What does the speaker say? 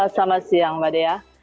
selamat siang mbak dea